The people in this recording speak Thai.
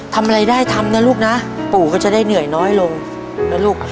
ทำอะไรได้ทำนะลูกนะปู่ก็จะได้เหนื่อยน้อยลงนะลูก